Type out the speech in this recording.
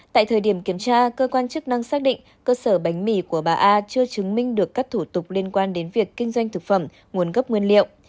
tại thời điểm kiểm tra cơ quan chức năng xác định cơ sở bánh mì của bà a chưa chứng minh được các thủ tục liên quan đến việc kinh doanh thực phẩm nguồn gốc nguyên liệu